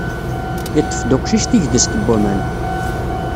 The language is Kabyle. Iṭṭef-d uqcic tigdest n waman.